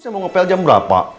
saya mau ngepel jam berapa